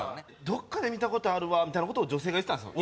「どっかで見た事あるわ」みたいな事を女性が言ってたんですよ